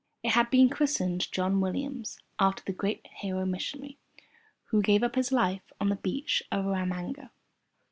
It had been christened John Williams after the great hero missionary who gave up his life on the beach of Erromanga.